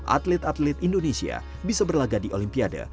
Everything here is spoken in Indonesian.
atlet atlet indonesia bisa berlagak di olimpiade